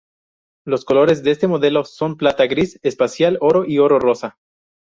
Los colores de este modelo son plata, gris espacial, oro y oro rosa.